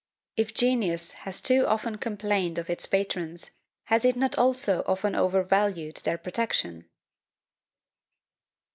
If genius has too often complained of its patrons, has it not also often over valued their protection?